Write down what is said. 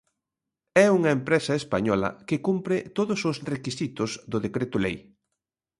É unha empresa española que cumpre todos os requisitos do decreto lei.